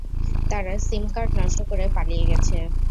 তারা SIM card নষ্ট করে পালিয়ে গেছে।